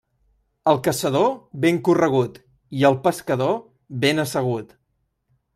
El caçador, ben corregut, i el pescador, ben assegut.